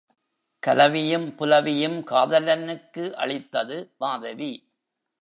கலவியும் புலவியும் காதலனுக்கு அளித்தது மாதவி.